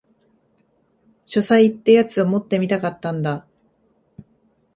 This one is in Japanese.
書斎ってやつを持ってみたかったんだ